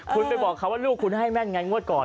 คุณไปบอกเขาว่าลูกคุณให้แม่นไงงวดก่อน